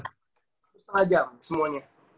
satu setengah jam semuanya